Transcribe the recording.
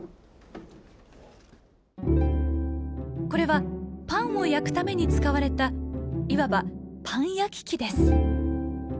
これはパンを焼くために使われたいわば「パン焼き器」です。